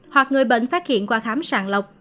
hoặc người bệnh phát hiện qua khám sàng lọc